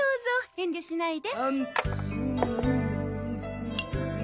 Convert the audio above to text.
遠慮しないで。